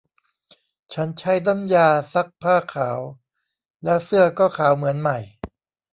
ฉันใช้น้ำยาซักผ้าขาว แล้วเสื้อก็ขาวเหมือนใหม่